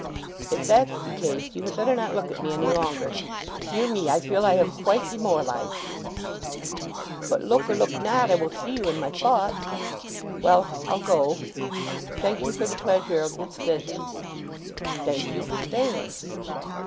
"If that's the case, you had better not look at me any longer. Dear me, I feel I have quite demoralized you!" "But look or look not, I will see you in my thoughts. Well, I'll go—thank you for the pleasure of this visit." "Thank you for staying."